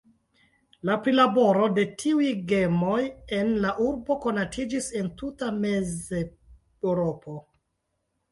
La prilaboro de tiuj gemoj en la urbo konatiĝis en tuta Mezeŭropo.